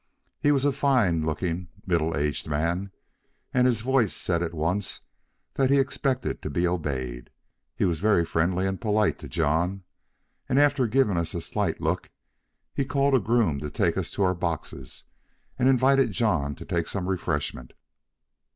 He was a fine looking, middle aged man, and his voice said at once that he expected to be obeyed. He was very friendly and polite to John, and after giving us a slight look, he called a groom to take us to our boxes, and invited John to take some refreshment.